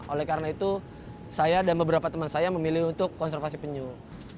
oleh karena itu saya dan beberapa teman saya memilih untuk konservasi penyu